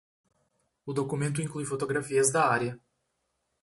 O documento inclui fotografias da área.